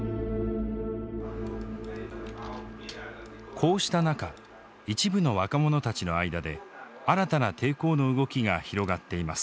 こうした中一部の若者たちの間で新たな抵抗の動きが広がっています。